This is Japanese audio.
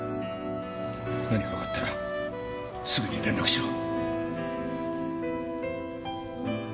何かわかったらすぐに連絡しろ。